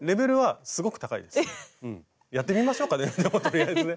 やってみましょうかねとりあえずね。